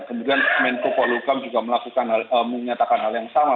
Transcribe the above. kemudian menko polukam juga menyatakan hal yang sama